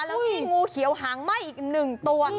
แล้วมีงูเขียวหางไหม้อีก๑ตัว